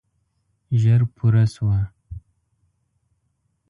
ژر پوره شوه.